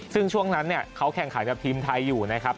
ซึ่งช่วงนั้นเขาแข่งขันกับทีมไทยอยู่นะครับ